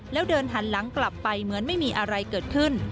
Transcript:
แล้วเดินหันหลังกลับไปเหมือนไม่มีอะไรเกิดขึ้น